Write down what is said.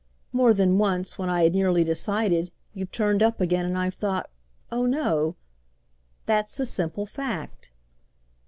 More than once, when I had nearly decided, you've turned up again and I've thought 'Oh no!' That's the simple fact!"